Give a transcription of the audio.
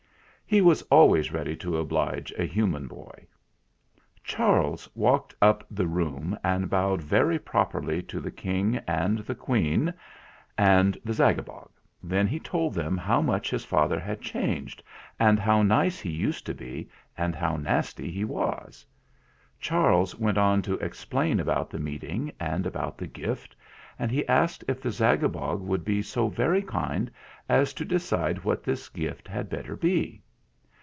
He was always ready to oblige a human boy. Charles walked up the room and bowed very properly to the King and the Queen and the 154 The Snick is consulting my volumes of ' Who's Who '' THE SAD STRANGER 155 Zagabog. Then he told them how much his father had changed, and how nice he used to be and how nasty he was. Charles went on to explain about the Meeting and about the gift, and he asked if the Zagabog would be so very kind as to decide what this gift had better be.